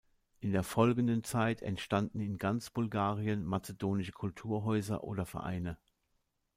In der folgenden Zeit entstanden in ganz Bulgarien mazedonische Kulturhäuser oder Vereine.